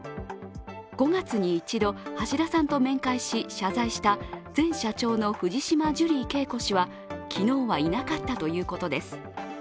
５月に一度、橋田さんと面会し謝罪した前社長の藤島ジュリー景子氏は昨日はいなかったということです。